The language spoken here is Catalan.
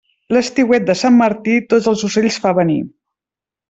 L'estiuet de sant Martí, tots els ocells fa venir.